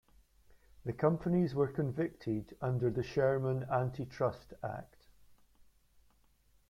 The companies were convicted under the Sherman Antitrust Act.